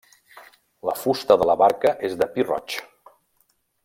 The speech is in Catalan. La fusta de la barca és de pi roig.